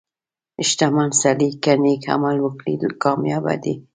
• شتمن سړی که نیک عمل ولري، کامیابه دی.